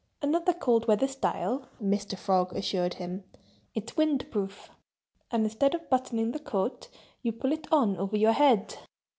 "Another cold weather style!" Mr. Frog assured him. "It's wind proof! And instead of buttoning the coat, you pull it on over your head."